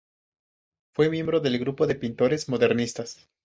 Fue miembro del grupo de pintores modernistas.